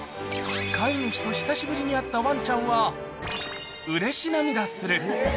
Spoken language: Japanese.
飼い主と久しぶりに会ったわんちゃんはうれし涙する。